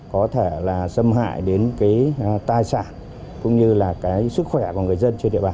có thể là xâm hại đến cái tài sản cũng như là cái sức khỏe của người dân trên địa bàn